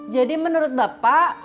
jadi menurut bapak